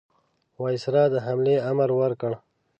وایسرا د حملې امر ورکړ.